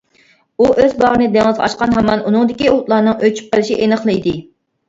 ئۇ ئۆز باغرىنى دېڭىزغا ئاچقان ھامان ئۇنىڭدىكى ئوتلارنىڭ ئۆچۈپ قېلىشى ئېنىقلا ئىدى.